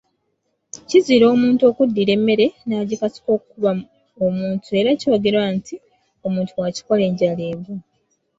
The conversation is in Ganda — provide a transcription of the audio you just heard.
Kizira omuntu okuddira emmere n’agikasuka okukuba omuntu era kyogerwa nti omuntu bw’akikola enjala egwa.